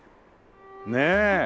ねえ！